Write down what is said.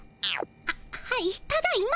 あっはいただいま。